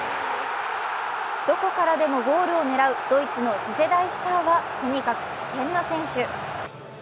どこからでもゴールを狙うドイツの次世代スターはとにかく危険な選手。